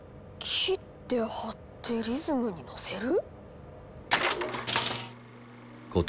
切って貼ってリズムにのせる？